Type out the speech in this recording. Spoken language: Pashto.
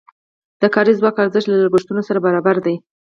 د کاري ځواک ارزښت له لګښتونو سره برابر دی.